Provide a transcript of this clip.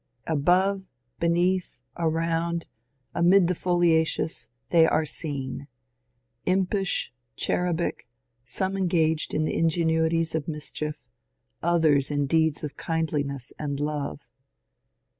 Above, beneath, around, amid the foliations they are seen — impish, cherubic, some en gaged in ingenuities of mischief, others in deeds of kindliness and love.